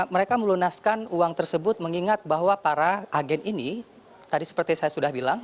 mereka melunaskan uang tersebut mengingat bahwa para agen ini tadi seperti saya sudah bilang